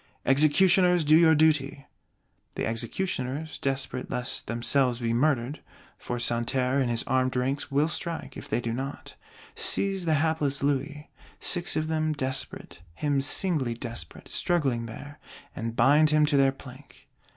"Executioners, do your duty!" The Executioners, desperate lest themselves be murdered (for Santerre and his Armed Ranks will strike, if they do not), seize the hapless Louis: six of them desperate, him singly desperate, struggling there; and bind him to their plank.